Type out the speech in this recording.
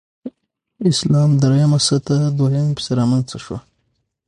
اسلام درېمه سطح دویمې پسې رامنځته شوه.